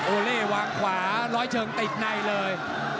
เล่วางขวาร้อยเชิงติดในเลย